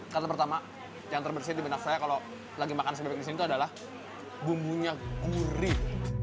kata pertama yang terbersih di benak saya kalau lagi makan si bebek disini adalah bumbunya gurih